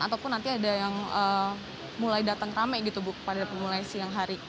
ataupun nanti ada yang mulai datang rame gitu bu pada pemulai siang hari